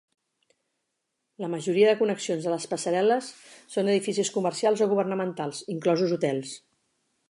La majoria de connexions a les passarel·les són edificis comercials o governamentals, inclosos hotels.